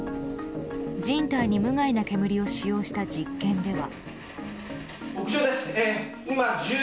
人体に無害な煙を使用した実験では。